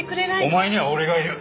お前には俺がいる。